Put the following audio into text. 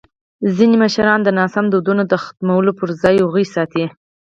ځینې مشران د ناسم دودونو د ختمولو پر ځای هغوی ساتي.